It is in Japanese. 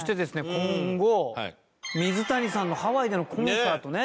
今後水谷さんのハワイでのコンサートね。